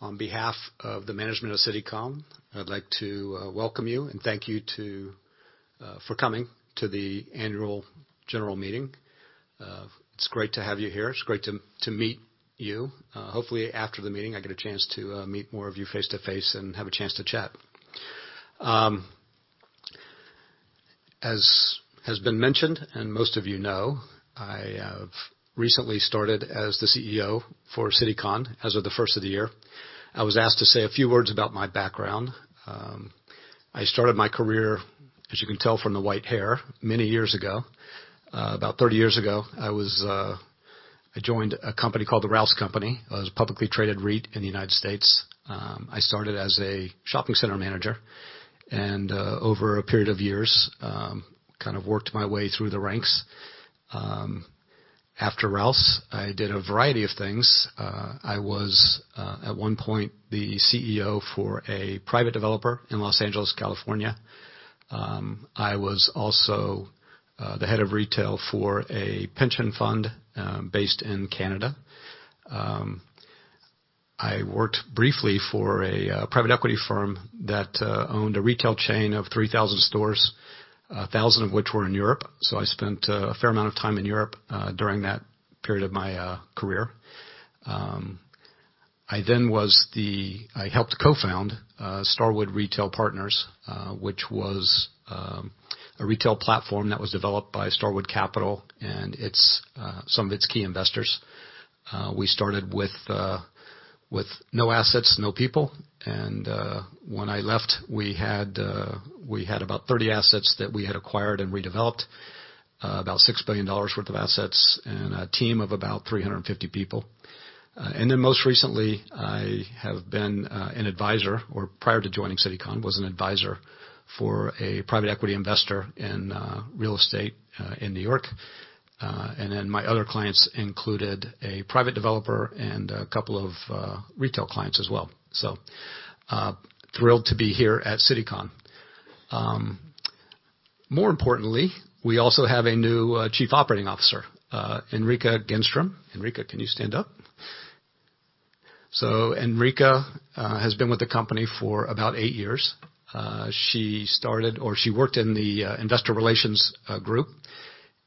On behalf of the management of Citycon, I'd like to welcome you and thank you for coming to the Annual General Meeting. It's great to have you here. It's great to meet you. Hopefully, after the meeting, I get a chance to meet more of you face-to-face and have a chance to chat. As has been mentioned, and most of you know, I have recently started as the CEO for Citycon as of the January 1st of the year. I was asked to say a few words about my background. I started my career, as you can tell from the white hair, many years ago. About 30 years ago, I joined a company called The Rouse Company. It was a publicly traded REIT in the United States. I started as a Shopping Center Manager, and over a period of years, worked my way through the ranks. After Rouse, I did a variety of things. I was, at one point, the CEO for a private developer in Los Angeles, California. I was also the Head of Retail for a pension fund based in Canada. I worked briefly for a private equity firm that owned a retail chain of 3,000 stores, 1,000 of which were in Europe. I spent a fair amount of time in Europe during that period of my career. I helped co-found Starwood Retail Partners, which was a retail platform that was developed by Starwood Capital and some of its key investors. We started with no assets, no people. When I left, we had about 30 assets that we had acquired and redeveloped, about $6 billion worth of assets, and a team of about 350 people. Most recently, I have been an Advisor, or prior to joining Citycon, was an Advisor for a private equity investor in real estate in New York. My other clients included a private developer and a couple of retail clients as well. Thrilled to be here at Citycon. More importantly, we also have a new Chief Operating Officer, Henrica Ginström. Henrica, can you stand up? Henrica has been with the company for about eight years. She worked in the Investor Relations group,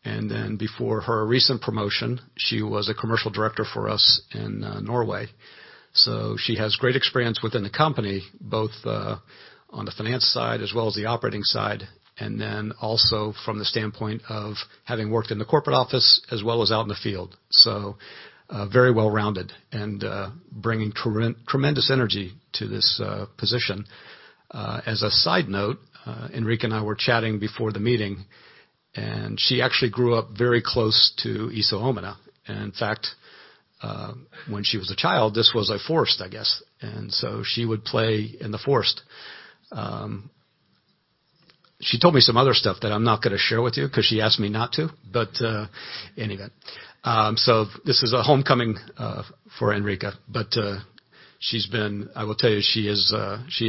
and then before her recent promotion, she was a Commercial Director for us in Norway. She has great experience within the company, both on the finance side as well as the operating side, and then also from the standpoint of having worked in the corporate office as well as out in the field. Very well-rounded and bringing tremendous energy to this position. As a side note, Henrica and I were chatting before the meeting, and she actually grew up very close to Iso Omena. In fact, when she was a child, this was a forest, I guess. She would play in the forest. She told me some other stuff that I'm not going to share with you because she asked me not to. Anyway. This is a homecoming for Henrica. I will tell you, she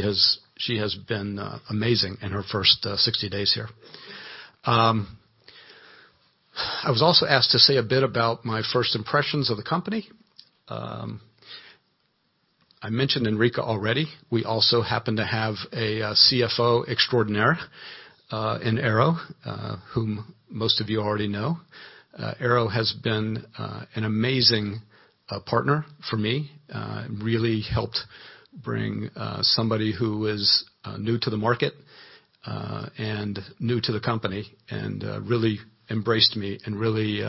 has been amazing in her first 60 days here. I was also asked to say a bit about my first impressions of the company. I mentioned Henrica already. We also happen to have a CFO extraordinaire in Eero, whom most of you already know. Eero has been an amazing partner for me, really helped bring somebody who is new to the market and new to the company, and really embraced me and really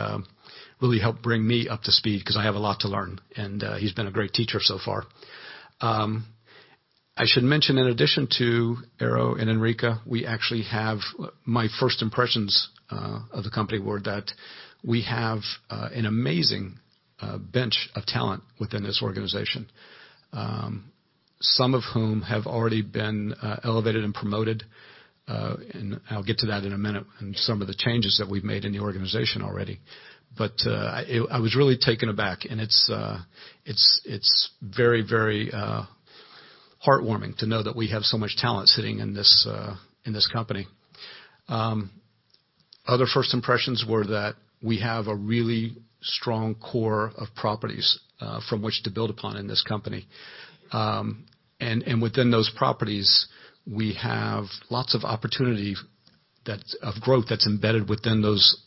helped bring me up to speed because I have a lot to learn. He's been a great teacher so far. I should mention, in addition to Eero and Henrica, my first impressions of the company were that we have an amazing bench of talent within this organization. Some of whom have already been elevated and promoted, and I'll get to that in a minute and some of the changes that we've made in the organization already. I was really taken aback, and it's very heartwarming to know that we have so much talent sitting in this company. Other first impressions were that we have a really strong core of properties from which to build upon in this company. Within those properties, we have lots of opportunity of growth that's embedded within those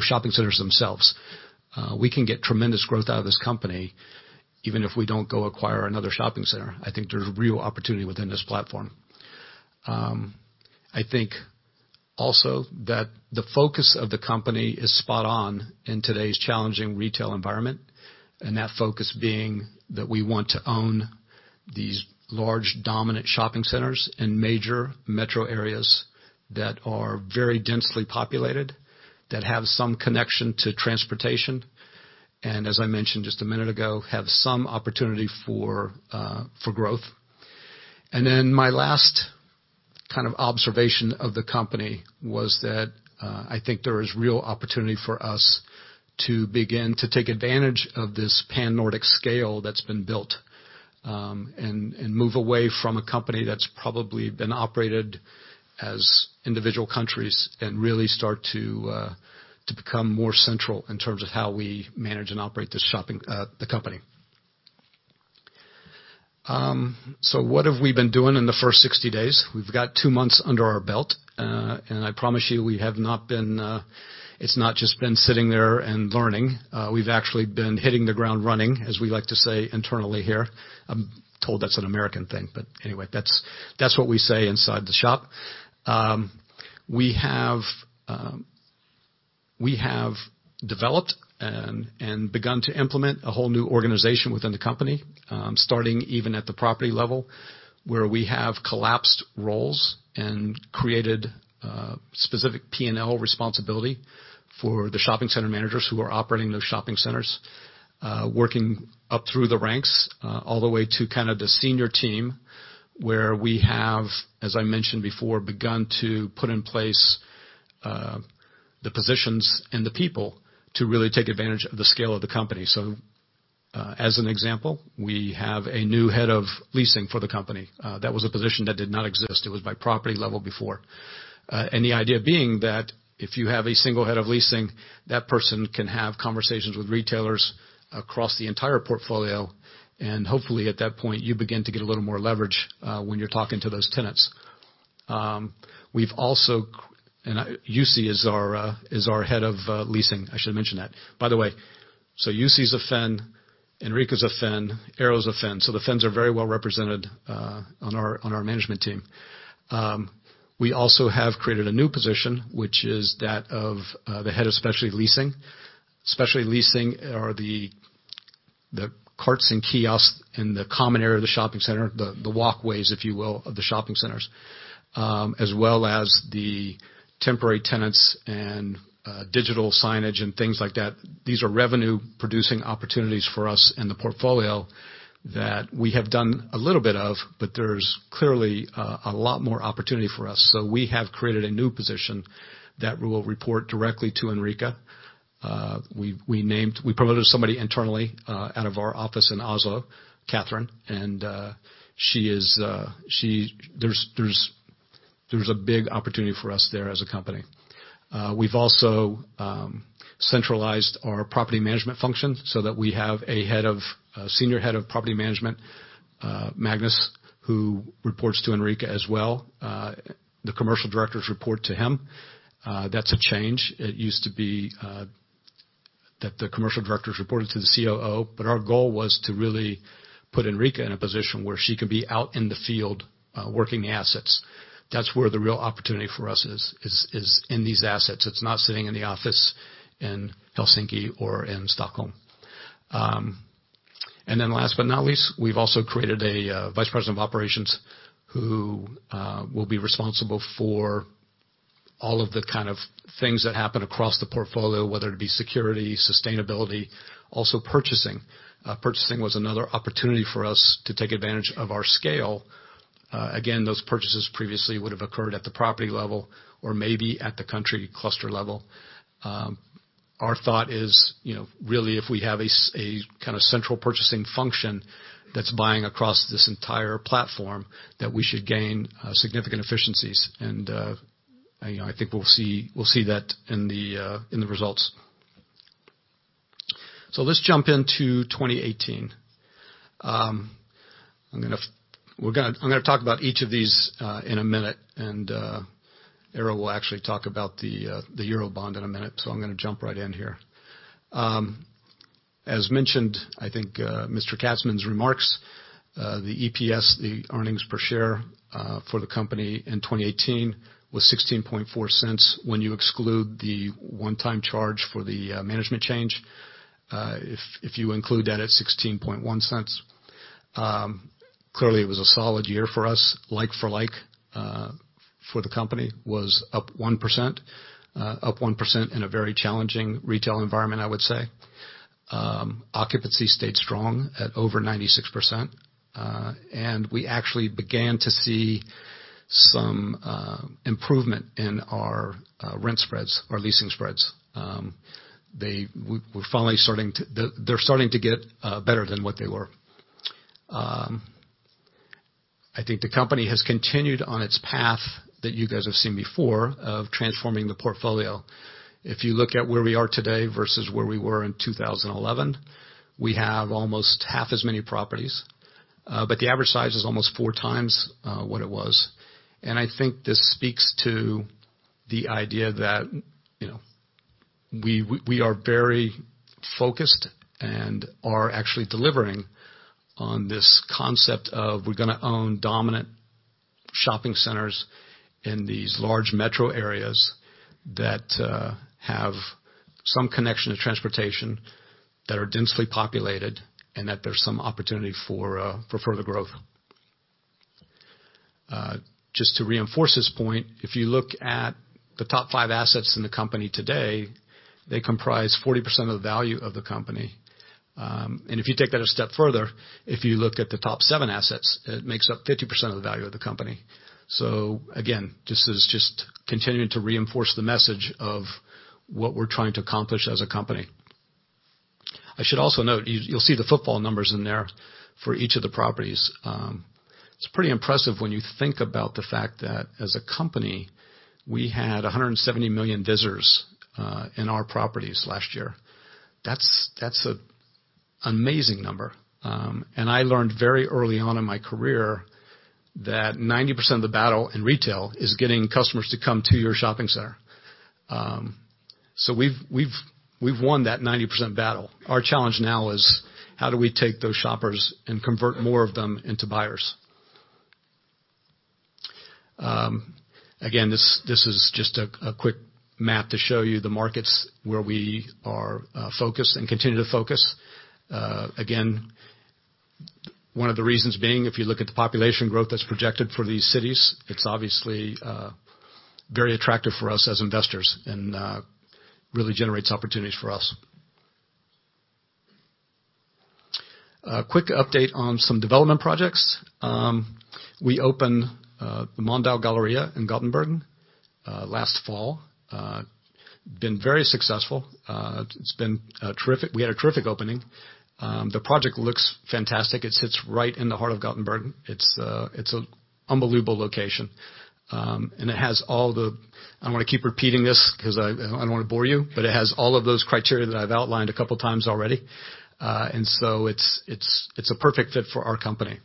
shopping centers themselves. We can get tremendous growth out of this company even if we don't go acquire another shopping center. I think there's real opportunity within this platform. I think also that the focus of the company is spot on in today's challenging retail environment, and that focus being that we want to own these large, dominant shopping centers in major metro areas that are very densely populated, that have some connection to transportation, and as I mentioned just a minute ago, have some opportunity for growth. My last observation of the company was that I think there is real opportunity for us to begin to take advantage of this pan-Nordic scale that's been built. Move away from a company that's probably been operated as individual countries and really start to become more central in terms of how we manage and operate the company. What have we been doing in the first 60 days? We've got two months under our belt. I promise you, it's not just been sitting there and learning. We've actually been hitting the ground running, as we like to say internally here. I'm told that's an American thing, but anyway, that's what we say inside the shop. We have developed and begun to implement a whole new organization within the company, starting even at the property level, where we have collapsed roles and created specific P&L responsibility for the shopping center managers who are operating those shopping centers. Working up through the ranks, all the way to kind of the senior team, where we have, as I mentioned before, begun to put in place the positions and the people to really take advantage of the scale of the company. As an example, we have a new Head of Leasing for the company. That was a position that did not exist. It was by property level before. The idea being that if you have a single Head of Leasing, that person can have conversations with retailers across the entire portfolio, and hopefully at that point, you begin to get a little more leverage when you're talking to those tenants. Jussi is our Head of Leasing. I should have mentioned that. By the way, Jussi's a Finn, Henrica's a Finn, Eero's a Finn. The Finns are very well represented on our management team. We also have created a new position, which is that of the Head of Specialty Leasing. Specialty leasing are the carts and kiosks in the common area of the shopping centre, the walkways, if you will, of the shopping centres, as well as the temporary tenants and digital signage and things like that. These are revenue-producing opportunities for us in the portfolio that we have done a little bit of, but there's clearly a lot more opportunity for us. We have created a new position that will report directly to Henrica. We promoted somebody internally out of our office in Oslo, Kathrine. There's a big opportunity for us there as a company. We've also centralized our property management function so that we have a Senior Head of Property Management, Magnus, who reports to Henrica as well. The commercial directors report to him. That's a change. It used to be that the commercial directors reported to the COO, but our goal was to really put Henrica in a position where she could be out in the field working the assets. That's where the real opportunity for us is in these assets. It's not sitting in the office in Helsinki or in Stockholm. Last but not least, we've also created a Vice President of Operations who will be responsible for all of the kind of things that happen across the portfolio, whether it be security, sustainability, also purchasing. Purchasing was another opportunity for us to take advantage of our scale. Again, those purchases previously would have occurred at the property level or maybe at the country cluster level. Our thought is really if we have a kind of central purchasing function that's buying across this entire platform, that we should gain significant efficiencies. I think we'll see that in the results. Let's jump into 2018. I'm going to talk about each of these in a minute, and Eero will actually talk about the Eurobond in a minute, I'm going to jump right in here. As mentioned, I think Mr. Katzman's remarks, the EPS, the earnings per share for the company in 2018 was 0.164 when you exclude the one-time charge for the management change. If you include that, it's 0.161. Clearly, it was a solid year for us. Like-for-like for the company was up 1%. Up 1% in a very challenging retail environment, I would say. Occupancy stayed strong at over 96%. We actually began to see some improvement in our rent spreads, our leasing spreads. They're starting to get better than what they were. I think the company has continued on its path that you guys have seen before of transforming the portfolio. If you look at where we are today versus where we were in 2011, we have almost half as many properties. The average size is almost four times what it was. I think this speaks to the idea that we are very focused and are actually delivering on this concept of we are going to own dominant shopping centers in these large metro areas that have some connection to transportation that are densely populated, and that there is some opportunity for further growth. Just to reinforce this point, if you look at the top five assets in the company today, they comprise 40% of the value of the company. If you take that a step further, if you look at the top seven assets, it makes up 50% of the value of the company. Again, this is just continuing to reinforce the message of what we are trying to accomplish as a company. I should also note, you will see the footfall numbers in there for each of the properties. It is pretty impressive when you think about the fact that as a company, we had 170 million visitors in our properties last year. That is an amazing number. I learned very early on in my career that 90% of the battle in retail is getting customers to come to your shopping center. We have won that 90% battle. Our challenge now is how do we take those shoppers and convert more of them into buyers? Again, this is just a quick map to show you the markets where we are focused and continue to focus. Again, one of the reasons being, if you look at the population growth that is projected for these cities, it is obviously very attractive for us as investors and really generates opportunities for us. A quick update on some development projects. We opened the Mölndal Galleria in Gothenburg last fall. Been very successful. We had a terrific opening. The project looks fantastic. It sits right in the heart of Gothenburg. It is an unbelievable location. I am going to keep repeating this because I do not want to bore you, but it has all of those criteria that I have outlined a couple of times already. It is a perfect fit for our company.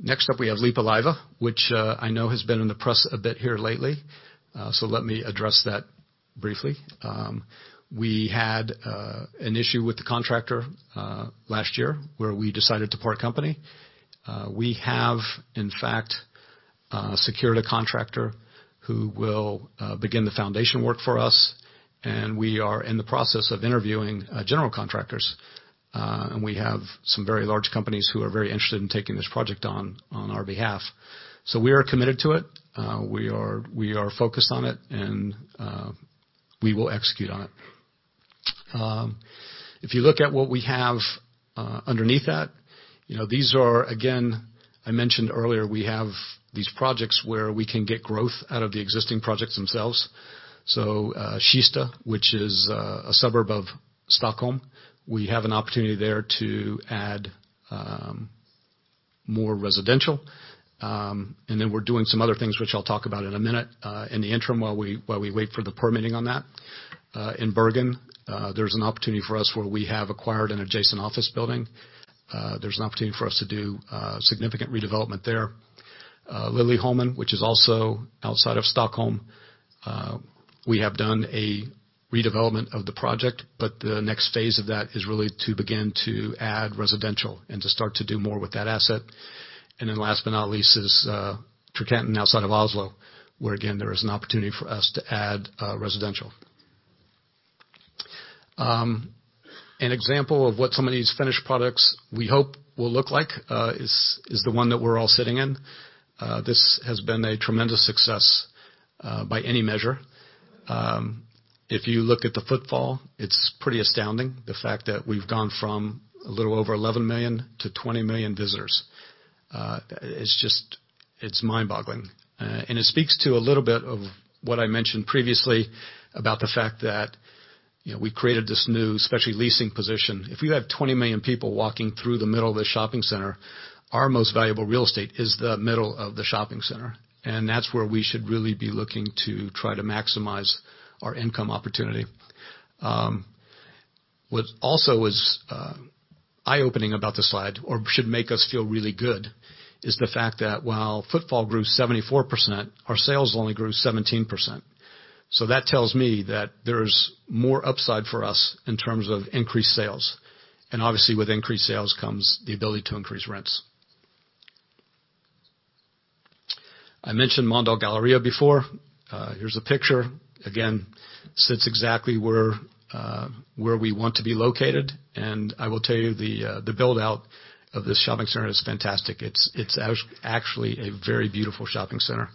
Next up, we have Lippulaiva, which I know has been in the press a bit here lately. Let me address that briefly. We had an issue with the contractor last year where we decided to part company. We have, in fact, secured a contractor who will begin the foundation work for us, and we are in the process of interviewing general contractors. We have some very large companies who are very interested in taking this project on our behalf. We are committed to it. We are focused on it, and we will execute on it. If you look at what we have underneath that, these are, again, I mentioned earlier, we have these projects where we can get growth out of the existing projects themselves. Kista, which is a suburb of Stockholm, we have an opportunity there to add more residential. We are doing some other things, which I will talk about in a minute, in the interim, while we wait for the permitting on that. In Bergen, there is an opportunity for us where we have acquired an adjacent office building. There is an opportunity for us to do significant redevelopment there. Liljeholmen, which is also outside of Stockholm, we have done a redevelopment of the project, but the next phase of that is really to begin to add residential and to start to do more with that asset. Last but not least is Trekanten outside of Oslo, where again, there is an opportunity for us to add residential. An example of what some of these finished products we hope will look like is the one that we're all sitting in. This has been a tremendous success by any measure. If you look at the footfall, it's pretty astounding. The fact that we've gone from a little over 11 million to 20 million visitors. It's mind-boggling. It speaks to a little bit of what I mentioned previously about the fact that we created this new specialty leasing position. If you have 20 million people walking through the middle of the shopping center, our most valuable real estate is the middle of the shopping center, and that's where we should really be looking to try to maximize our income opportunity. What also is eye-opening about this slide, or should make us feel really good is the fact that while footfall grew 74%, our sales only grew 17%. That tells me that there's more upside for us in terms of increased sales. Obviously, with increased sales comes the ability to increase rents. I mentioned Mölndal Galleria before. Here's a picture. Again, sits exactly where we want to be located. I will tell you, the build-out of this shopping center is fantastic. It's actually a very beautiful shopping center.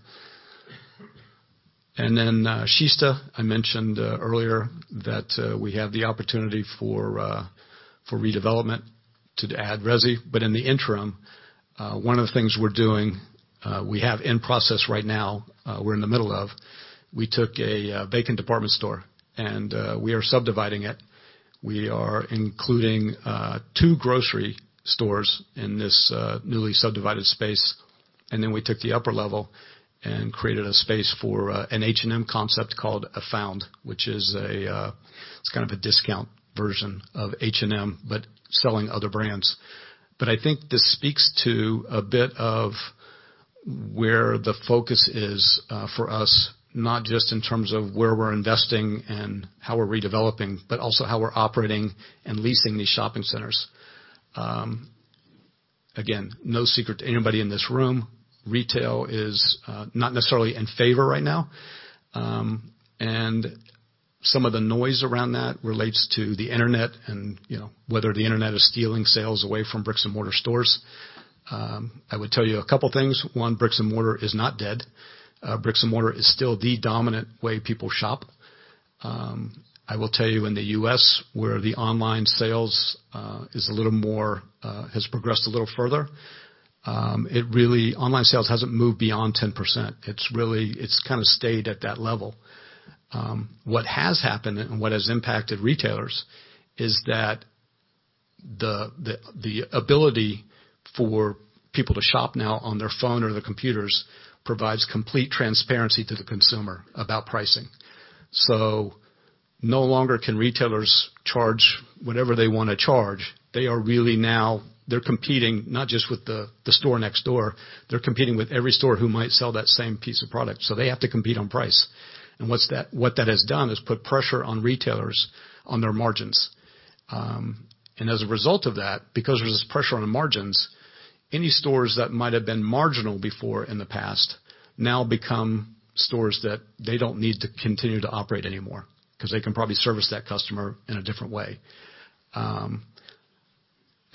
Kista, I mentioned earlier that we have the opportunity for redevelopment to add resi. In the interim, one of the things we're doing, we have in process right now, we're in the middle of, we took a vacant department store, and we are subdividing it. We are including two grocery stores in this newly subdivided space. We took the upper level and created a space for an H&M concept called Afound, which is a discount version of H&M, but selling other brands. I think this speaks to a bit of where the focus is for us, not just in terms of where we're investing and how we're redeveloping, but also how we're operating and leasing these shopping centers. Again, no secret to anybody in this room. Retail is not necessarily in favor right now. Some of the noise around that relates to the internet and whether the internet is stealing sales away from bricks and mortar stores. I would tell you a couple of things. One, bricks and mortar is not dead. Bricks and mortar is still the dominant way people shop. I will tell you in the U.S., where the online sales has progressed a little further. It really, online sales hasn't moved beyond 10%. It's kind of stayed at that level. What has happened and what has impacted retailers is that the ability for people to shop now on their phone or their computers provides complete transparency to the consumer about pricing. No longer can retailers charge whatever they want to charge. They are really now, they're competing not just with the store next door, they're competing with every store who might sell that same piece of product. They have to compete on price. What that has done, is put pressure on retailers on their margins. As a result of that, because there's this pressure on the margins, any stores that might have been marginal before in the past now become stores that they don't need to continue to operate anymore, because they can probably service that customer in a different way.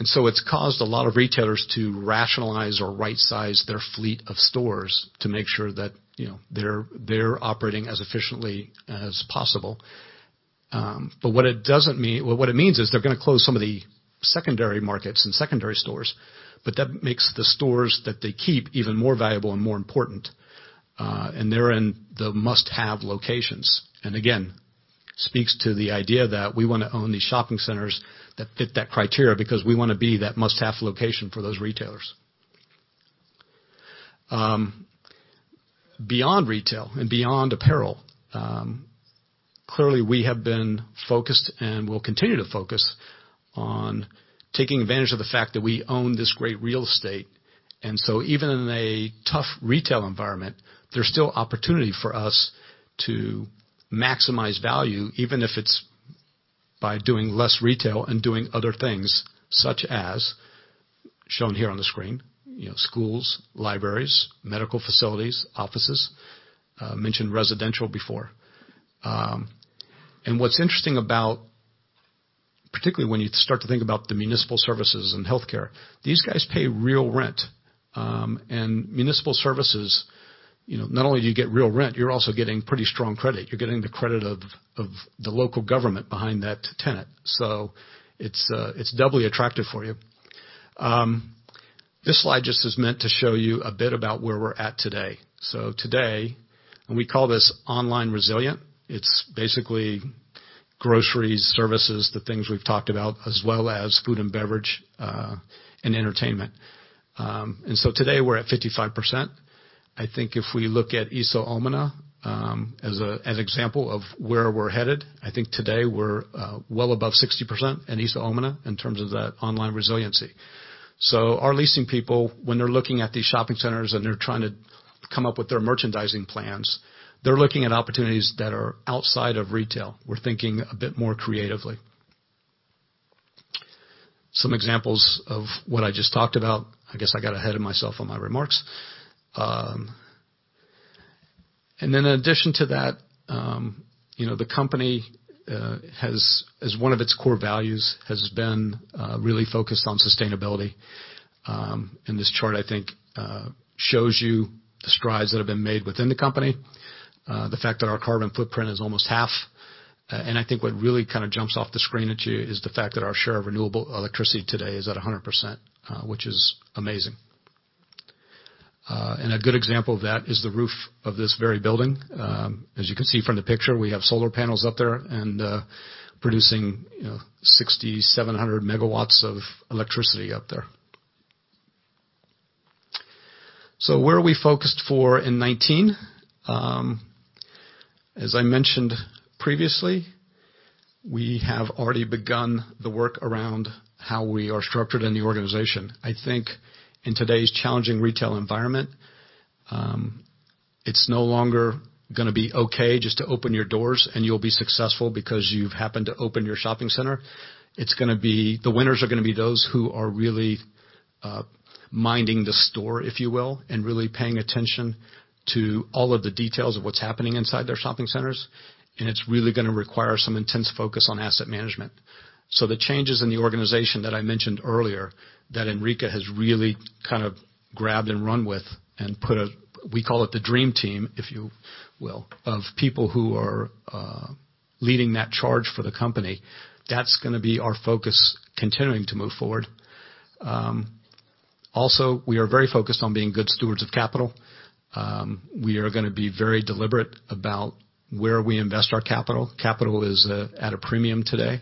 It's caused a lot of retailers to rationalize or right-size their fleet of stores to make sure that they're operating as efficiently as possible. What it means is, they're going to close some of the secondary markets and secondary stores, but that makes the stores that they keep even more valuable and more important, and they're in the must-have locations. Again, speaks to the idea that we want to own these shopping centers that fit that criteria because we want to be that must-have location for those retailers. Beyond retail and beyond apparel, clearly we have been focused and will continue to focus on taking advantage of the fact that we own this great real estate. Even in a tough retail environment, there's still opportunity for us to maximize value, even if it's by doing less retail and doing other things such as shown here on the screen, schools, libraries, medical facilities, offices, mentioned residential before. What's interesting about, particularly when you start to think about the municipal services and healthcare, these guys pay real rent. Municipal services, not only do you get real rent, you're also getting pretty strong credit. You're getting the credit of the local government behind that tenant. It's doubly attractive for you. This slide just is meant to show you a bit about where we're at today. Today, and we call this online resilient. It's basically groceries, services, the things we've talked about, as well as food and beverage, and entertainment. Today, we're at 55%. I think if we look at Iso Omena, as example of where we're headed, I think today we're well above 60% in Iso Omena in terms of that online resiliency. Our leasing people, when they're looking at these shopping centers and they're trying to come up with their merchandising plans, they're looking at opportunities that are outside of retail. We're thinking a bit more creatively. Some examples of what I just talked about. I guess I got ahead of myself on my remarks. In addition to that, the company as one of its core values, has been really focused on sustainability. This chart, I think, shows you the strides that have been made within the company. The fact that our carbon footprint is almost half. I think what really kind of jumps off the screen at you is the fact that our share of renewable electricity today is at 100%, which is amazing. A good example of that is the roof of this very building. As you can see from the picture, we have solar panels up there and producing 6,700 MW of electricity up there. Where are we focused for in 2019? As I mentioned previously, we have already begun the work around how we are structured in the organization. I think in today's challenging retail environment, it's no longer going to be okay just to open your doors and you'll be successful because you've happened to open your shopping center. The winners are going to be those who are really minding the store, if you will, and really paying attention to all of the details of what's happening inside their shopping centers. It's really going to require some intense focus on asset management. The changes in the organization that I mentioned earlier that Henrica has really kind of grabbed and run with and put a, we call it the dream team, if you will, of people who are leading that charge for the company, that's going to be our focus continuing to move forward. We are very focused on being good stewards of capital. We are going to be very deliberate about where we invest our capital. Capital is at a premium today.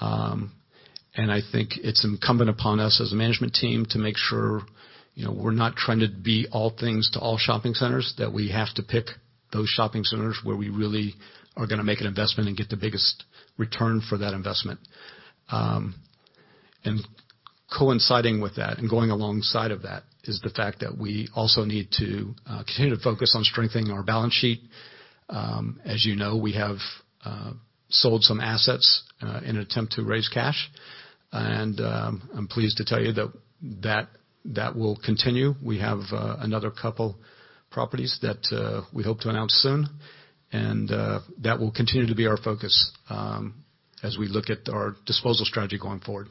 I think it's incumbent upon us as a management team to make sure we're not trying to be all things to all shopping centers, that we have to pick those shopping centers where we really are going to make an investment and get the biggest return for that investment. Coinciding with that and going alongside of that is the fact that we also need to continue to focus on strengthening our balance sheet. As you know, we have sold some assets in an attempt to raise cash, I'm pleased to tell you that that will continue. We have another couple properties that we hope to announce soon, That will continue to be our focus as we look at our disposal strategy going forward.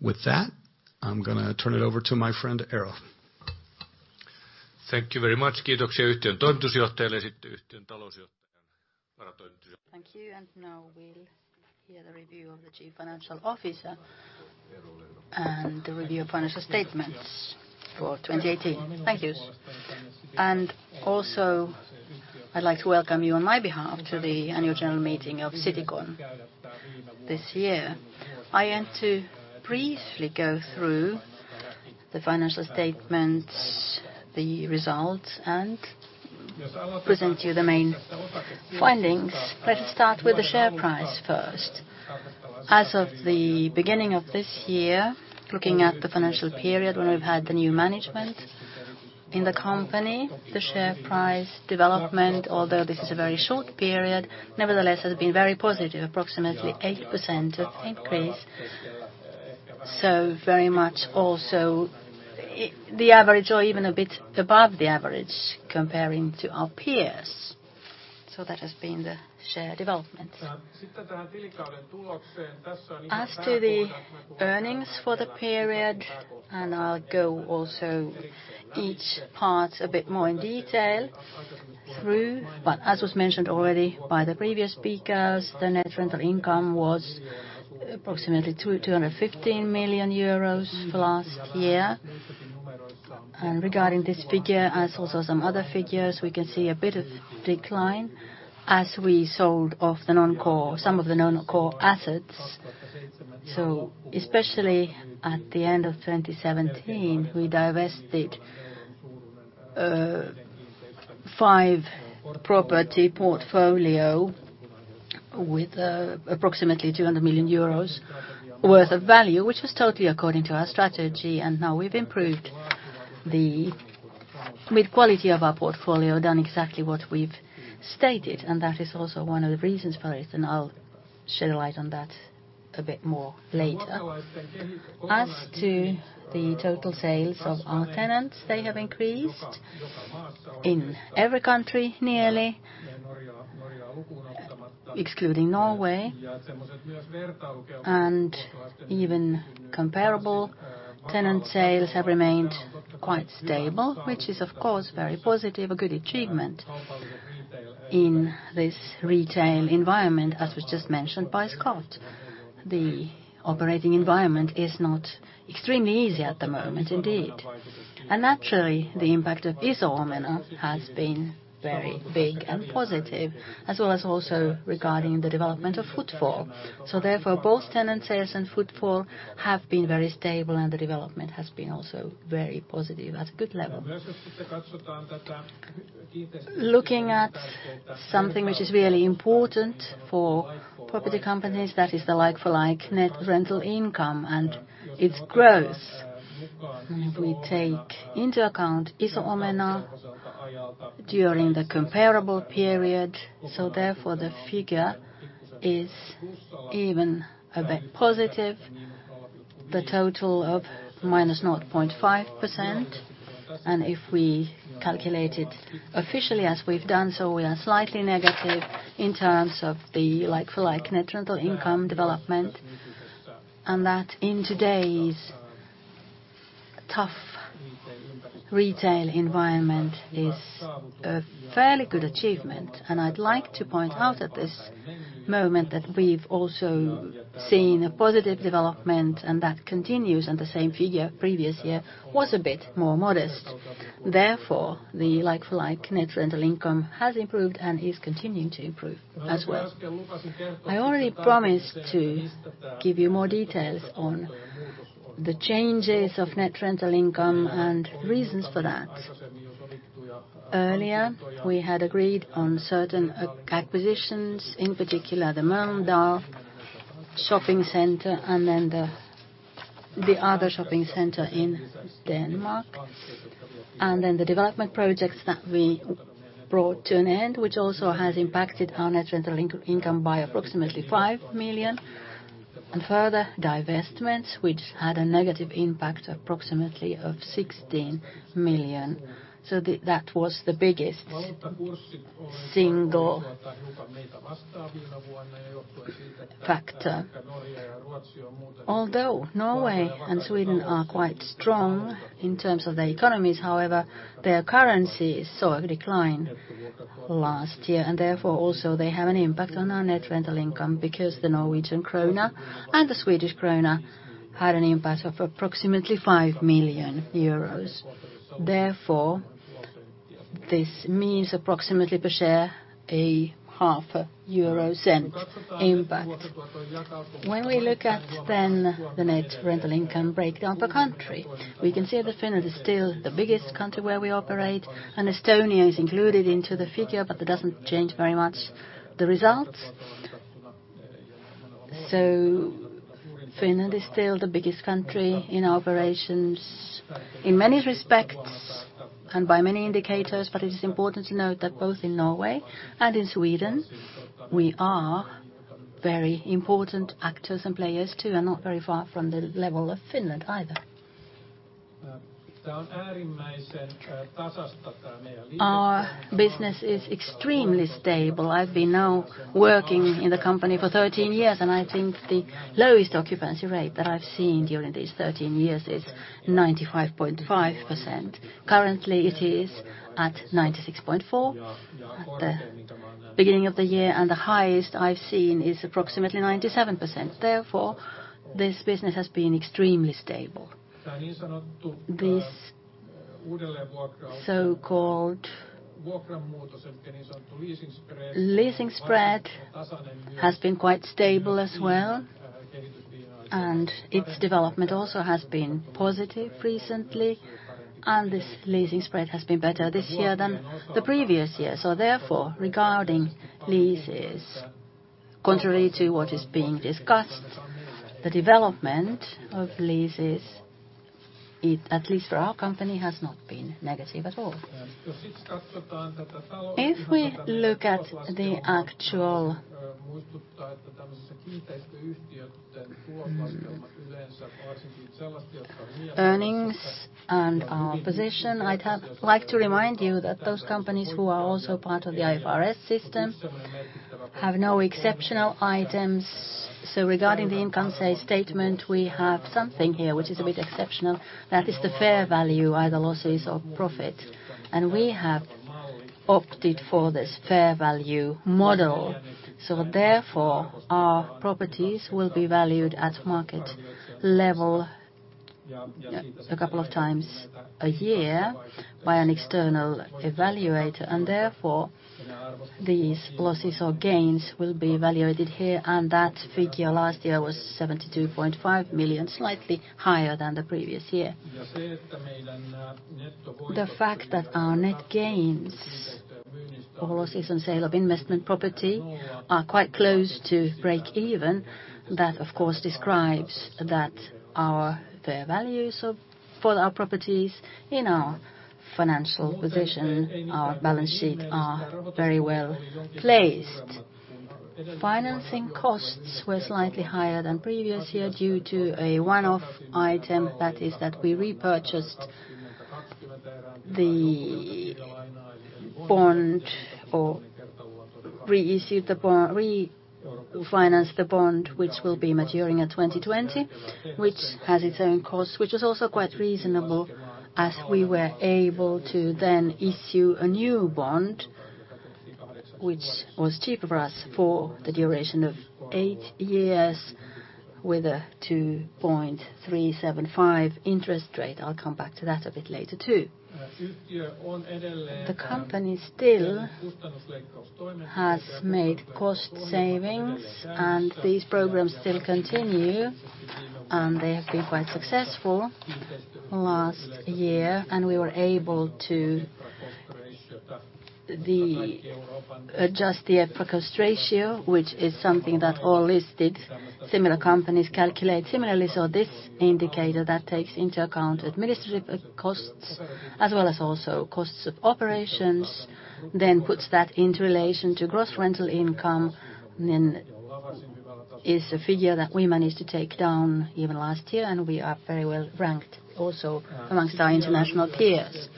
With that, I'm going to turn it over to my friend, Eero. Thank you very much. Thank you. Now we'll hear the review of the Chief Financial Officer and the review of financial statements for 2018. Thank you. Also I'd like to welcome you on my behalf to the Annual General Meeting of Citycon this year. I want to briefly go through the financial statements, the results, and present to you the main findings. Let us start with the share price first. As of the beginning of this year, looking at the financial period when we've had the new management in the company, the share price development, although this is a very short period, nevertheless has been very positive, approximately 80% increase. Very much also the average or even a bit above the average comparing to our peers. That has been the share development. As to the earnings for the period, I'll go also each part a bit more in detail through, as was mentioned already by the previous speakers, the net rental income was approximately 215 million euros for last year. Regarding this figure as also some other figures, we can see a bit of decline as we sold off some of the non-core assets. Especially at the end of 2017, we divested five property portfolio with approximately 200 million euros worth of value, which was totally according to our strategy. Now we've improved the mid quality of our portfolio, done exactly what we've stated, That is also one of the reasons for it, I'll shed a light on that a bit more later. As to the total sales of our tenants, they have increased in every country nearly, excluding Norway, even comparable tenant sales have remained quite stable, which is of course very positive, a good achievement in this retail environment, as was just mentioned by Scott. The operating environment is not extremely easy at the moment indeed. Naturally, the impact of Iso Omena has been very big and positive, as well as also regarding the development of footfall. Therefore, both tenant sales and footfall have been very stable and the development has been also very positive at a good level. Looking at something which is really important for property companies, that is the like-for-like net rental income and its growth. If we take into account Iso Omena during the comparable period, therefore the figure is even a bit positive, the total of -0.5%. If we calculate it officially as we've done so, we are slightly negative in terms of the like-for-like net rental income development, and that in today's tough retail environment is a fairly good achievement. I'd like to point out at this moment that we've also seen a positive development and that continues, the same figure previous year was a bit more modest. Therefore, the like-for-like net rental income has improved and is continuing to improve as well. I already promised to give you more details on the changes of net rental income and reasons for that. Earlier, we had agreed on certain acquisitions, in particular the Mölndal shopping center and then the other shopping center in Denmark. The development projects that we brought to an end, which also has impacted our net rental income by approximately 5 million. Further divestments, which had a negative impact approximately of 16 million. That was the biggest single factor. Although Norway and Sweden are quite strong in terms of their economies, however, their currency saw a decline last year and therefore also they have an impact on our net rental income because the Norwegian krone and the Swedish krona had an impact of approximately 5 million euros. This means approximately per share a EUR 0.005 impact. When we look at then the net rental income breakdown per country, we can see that Finland is still the biggest country where we operate, and Estonia is included into the figure, but that doesn't change very much the results. Finland is still the biggest country in our operations in many respects and by many indicators, but it is important to note that both in Norway and in Sweden, we are very important actors and players too, and not very far from the level of Finland either. Our business is extremely stable. I've been now working in the company for 13 years, and I think the lowest occupancy rate that I've seen during these 13 years is 95.5%. Currently, it is at 96.4 at the beginning of the year, and the highest I've seen is approximately 97%. This business has been extremely stable. This so-called leasing spread has been quite stable as well, and its development also has been positive recently. This leasing spread has been better this year than the previous year. Therefore, regarding leases, contrary to what is being discussed, the development of leases, at least for our company, has not been negative at all. If we look at the actual earnings and our position, I'd like to remind you that those companies who are also part of the IFRS system have no exceptional items. Regarding the income statement, we have something here which is a bit exceptional. That is the fair value, either losses or profit. We have opted for this fair value model. Therefore, our properties will be valued at market level a couple of times a year by an external evaluator. Therefore, these losses or gains will be evaluated here, and that figure last year was 72.5 million, slightly higher than the previous year. The fact that our net gains or losses on sale of investment property are quite close to break even, that of course describes that our fair values for our properties in our financial position, our balance sheet, are very well placed. Financing costs were slightly higher than previous year due to a one-off item. That is that we repurchased the bond, or refinanced the bond, which will be maturing in 2020, which has its own cost. Which is also quite reasonable, as we were able to then issue a new bond, which was cheaper for us for the duration of eight years with a 2.375% interest rate. I'll come back to that a bit later too. The company still has made cost savings, these programs still continue. They have been quite successful last year, we were able to adjust the EPRA cost ratio, which is something that all listed similar companies calculate similarly. This indicator that takes into account administrative costs as well as also costs of operations, then puts that into relation to gross rental income, then is a figure that we managed to take down even last year, and we are very well-ranked also amongst our international peers.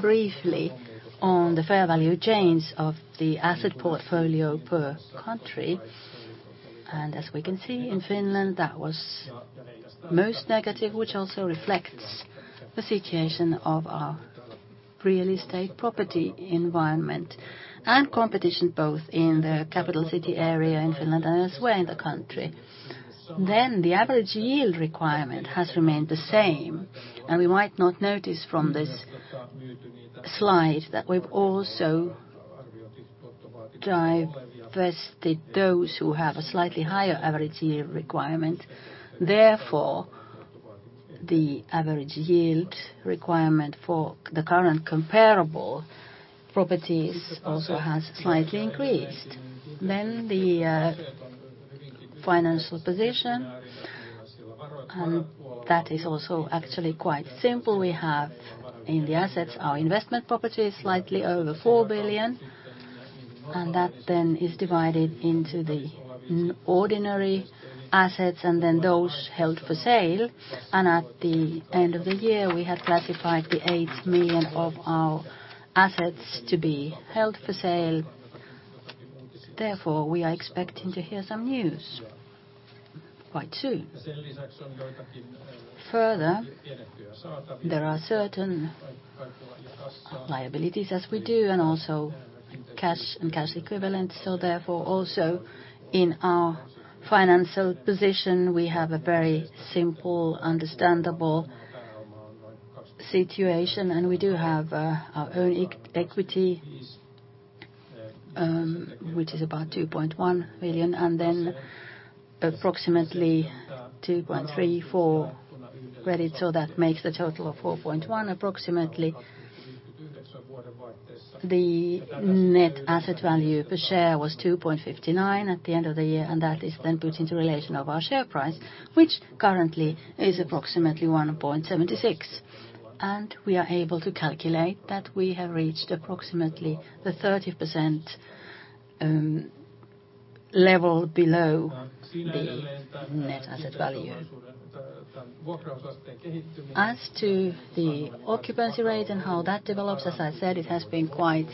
Briefly on the fair value change of the asset portfolio per country. As we can see in Finland, that was most negative, which also reflects the situation of our real estate property environment and competition, both in the capital city area in Finland and elsewhere in the country. The average yield requirement has remained the same, we might not notice from this slide that we've also divested those who have a slightly higher average yield requirement. Therefore, the average yield requirement for the current comparable properties also has slightly increased. The financial position, that is also actually quite simple. We have in the assets our investment property, slightly over 4 billion, that then is divided into the ordinary assets and then those held for sale. At the end of the year, we had classified the 8 million of our assets to be held for sale. Therefore, we are expecting to hear some news quite soon. Further, there are certain liabilities as we do, also cash and cash equivalents. Therefore, also in our financial position, we have a very simple, understandable situation. We do have our own equity, which is about 2.1 billion, and then approximately 2.34 billion credit. That makes the total of 4.1 billion, approximately. The net asset value per share was 2.59 at the end of the year, and that is then put into relation of our share price, which currently is approximately 1.76. We are able to calculate that we have reached approximately the 30% level below the net asset value. As to the occupancy rate and how that develops, as I said, it has been quite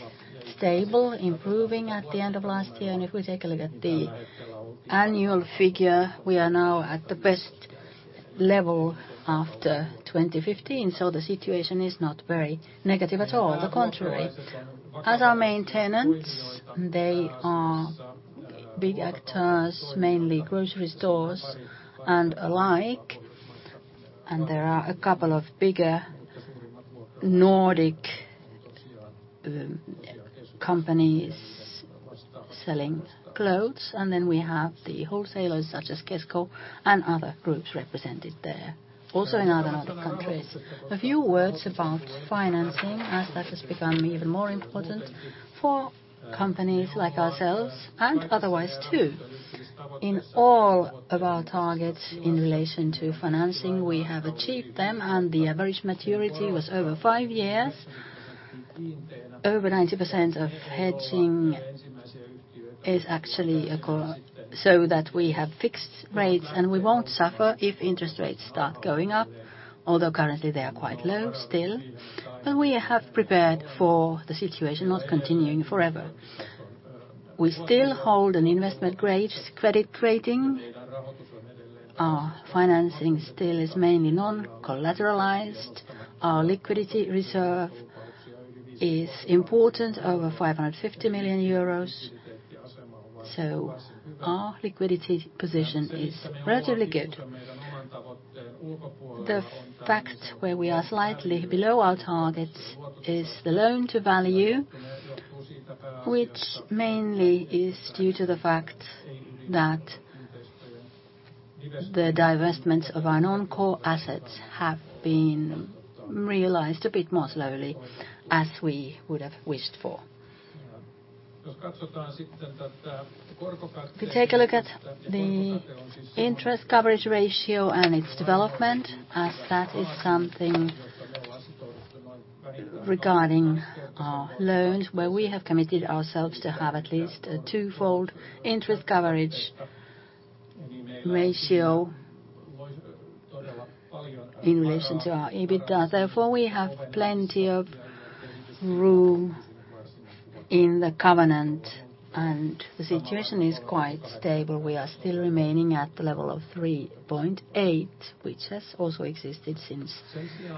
stable, improving at the end of last year. If we take a look at the annual figure, we are now at the best level after 2015. The situation is not very negative at all, the contrary. As our main tenants, they are big actors, mainly grocery stores and alike, and there are a couple of bigger Nordic companies selling clothes. We have the wholesalers such as Kesko and other groups represented there, also in other Nordic countries. A few words about financing, as that has become even more important for companies like ourselves and otherwise too. In all of our targets in relation to financing, we have achieved them and the average maturity was over five years. Over 90% of hedging is actually so that we have fixed rates and we won't suffer if interest rates start going up. Although currently they are quite low still, but we have prepared for the situation not continuing forever. We still hold an investment grade credit rating. Our financing still is mainly non-collateralized. Our liquidity reserve is important, over 550 million euros, so our liquidity position is relatively good. The fact where we are slightly below our targets is the loan-to-value, which mainly is due to the fact that the divestments of our non-core assets have been realized a bit more slowly as we would have wished for. If we take a look at the interest coverage ratio and its development, as that is something regarding our loans where we have committed ourselves to have at least a twofold interest coverage ratio in relation to our EBITDA. Therefore, we have plenty of room in the covenant and the situation is quite stable. We are still remaining at the level of 3.8x, which has also existed since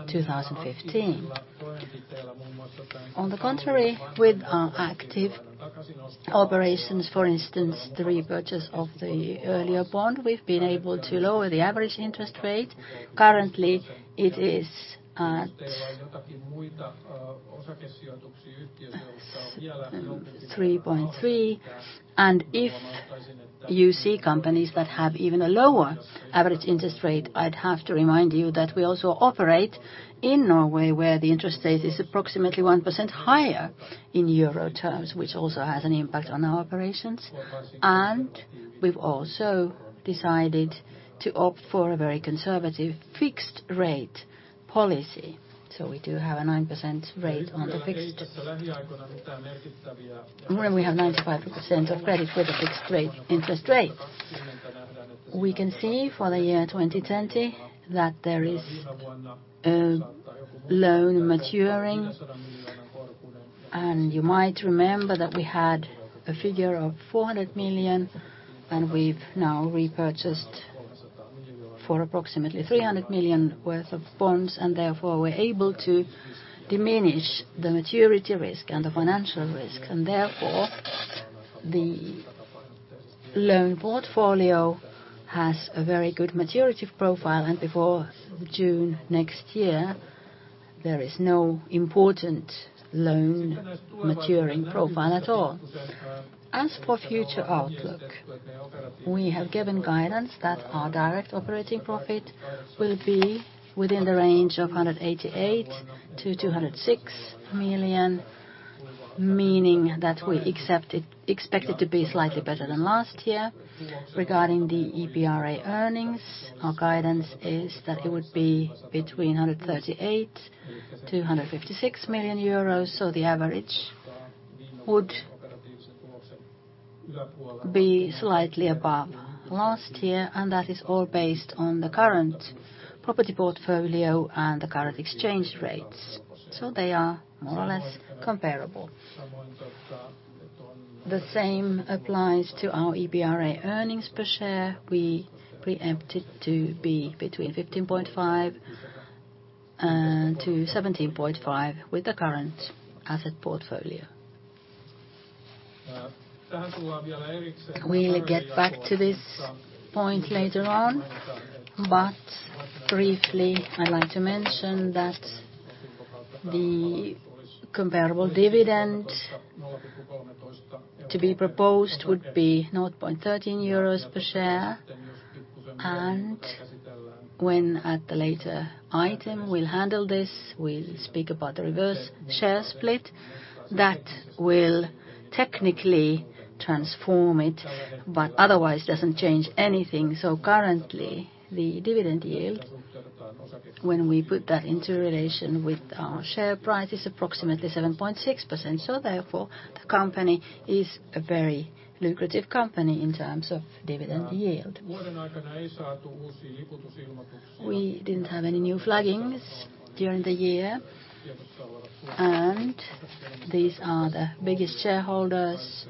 2015. On the contrary, with our active operations, for instance, the repurchase of the earlier bond, we've been able to lower the average interest rate. Currently, it is at 3.3%. If you see companies that have even a lower average interest rate, I'd have to remind you that we also operate in Norway, where the interest rate is approximately 1% higher in euro terms, which also has an impact on our operations. We've also decided to opt for a very conservative fixed-rate policy. We do have a 9% rate on the fixed. When we have 95% of credit with a fixed rate interest rate. We can see for the year 2020 that there is a loan maturing, and you might remember that we had a figure of 400 million, and we've now repurchased for approximately 300 million worth of bonds, and therefore we're able to diminish the maturity risk and the financial risk. Therefore, the loan portfolio has a very good maturity profile, and before June next year, there is no important loan maturing profile at all. As for future outlook, we have given guidance that our direct operating profit will be within the range of 188 million-206 million, meaning that we expect it to be slightly better than last year. Regarding the EPRA earnings, our guidance is that it would be between 138 million-156 million euros. The average would be slightly above last year, and that is all based on the current property portfolio and the current exchange rates. They are more or less comparable. The same applies to our EPRA earnings per share. We preempt it to be between 0.155-0.175 with the current asset portfolio. We'll get back to this point later on, but briefly, I'd like to mention that the comparable dividend to be proposed would be 0.13 euros per share. When at the later item we'll handle this, we'll speak about the reverse share split that will technically transform it, but otherwise doesn't change anything. Currently, the dividend yield, when we put that into relation with our share price, is approximately 7.6%. Therefore, the company is a very lucrative company in terms of dividend yield. We didn't have any new flaggings during the year, these are the biggest shareholders.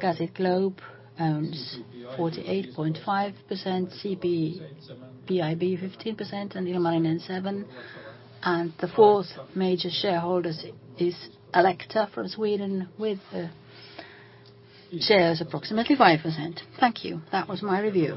Gazit-Globe owns 48.5%, CPPIBEH 15%, Ilmarinen 7%. The fourth major shareholder is Alecta from Sweden with shares approximately 5%. Thank you. That was my review.